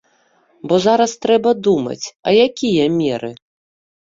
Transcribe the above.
Бо зараз трэба думаць, а якія меры?